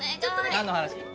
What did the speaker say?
何の話？